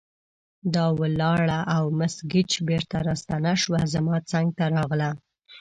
دا ولاړه او مس ګېج بیرته راستنه شوه، زما څنګ ته راغله.